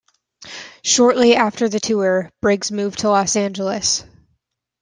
Shortly after the tour, Briggs moved to Los Angeles.